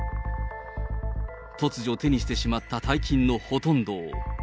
突如、手にしてしまった大金のほとんどを。